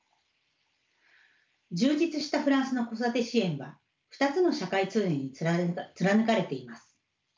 充実したフランスの子育て支援は２つの社会通念に貫かれています。